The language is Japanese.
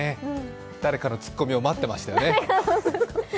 誰かのツッコミを待ってましたね。